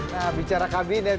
nah bicara kabinet